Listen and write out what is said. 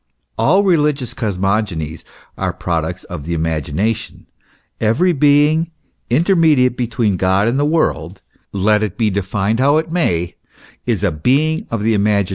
All religious cosmogonies are products of the imagination. Every being, intermediate between God and the world, let it be defined how it may, is a being of the imagina *" Hylarius.